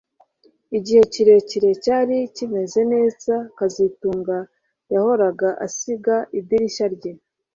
Igihe ikirere cyari kimeze neza kazitunga yahoraga asiga idirishya rye